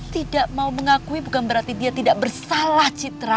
tidak mau mengakui bukan berarti dia tidak bersalah citra